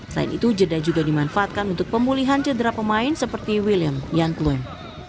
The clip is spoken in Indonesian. selain itu jeda juga dimanfaatkan untuk pemulihan cedera pemain seperti william yankluen